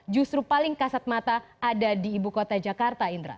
justru paling kasat mata ada di ibu kota jakarta indra